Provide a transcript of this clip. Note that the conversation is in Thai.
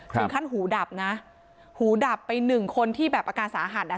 ถึงขั้นหูดับนะหูดับไปหนึ่งคนที่แบบอาการสาหัสอ่ะ